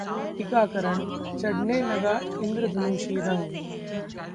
टीकाकरण: चढऩे लगा इंद्रधनुषी रंग